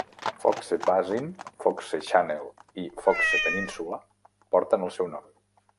Foxe Basin, Foxe Channel i Foxe Peninsula porten el seu nom.